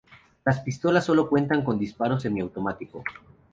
Las pistolas sólo cuentan con disparo semiautomático.